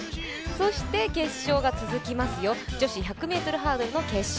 そして決勝が続きますよ、女子１００ｍハードルの決勝、